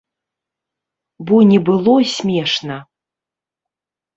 Бо не было смешна.